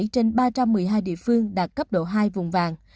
bảy mươi trên ba trăm một mươi hai địa phương đạt cấp độ hai vùng vàng